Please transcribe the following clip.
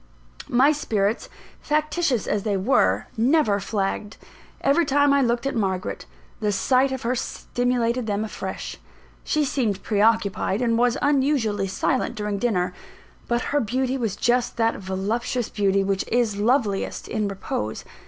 My spirits, factitious as they were, never flagged. Every time I looked at Margaret, the sight of her stimulated them afresh. She seemed pre occupied, and was unusually silent during dinner; but her beauty was just that voluptuous beauty which is loveliest in repose.